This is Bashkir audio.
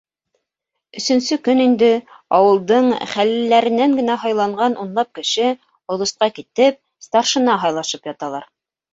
Өсөнсө көн инде, ауылдың хәллеләренән генә һайланған унлап кеше, олосҡа китеп, старшина һайлашып яталар.